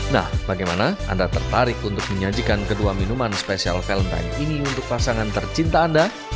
nah bagaimana anda tertarik untuk menyajikan kedua minuman spesial valentine ini untuk pasangan tercinta anda